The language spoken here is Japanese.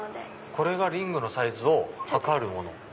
これがリングのサイズを測るもの。